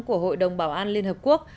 của hội đồng bảo an liên hợp quốc